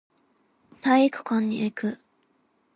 体育館へ行く